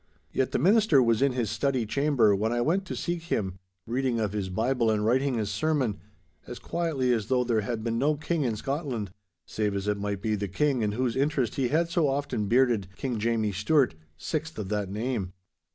Yet the minister was in his study chamber when I went to seek him, reading of his Bible and writing his sermon, as quietly as though there had been no King in Scotland—save, as it might be, the King in whose interest he had so often bearded King Jamie Stuart, sixth of that name.